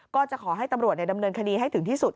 ก็จะขอให้ตำรวจดำเนินคดีให้ถึงที่สุด